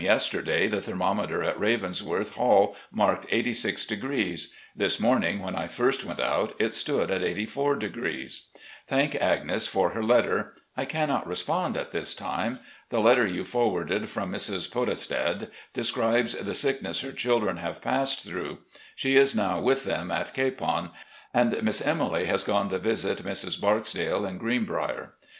yesterday, the thermometer in Ravensworth hall marked 86°. This morning, when I first went out, it stood at 84°. Thank Agnes for her letter. I cannot respond at this time. The letter you forwarded from Mrs. Podestad describes the sickness her children have passed through. She is now with them at Capon, and Miss Emily has gone to visit Mrs. Barksdale in Greenbrier.